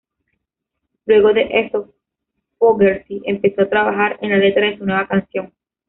Luego de eso, Fogerty empezó a trabajar en la letra de su nueva canción.